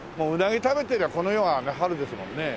もううなぎ食べてりゃこの世は春ですもんね。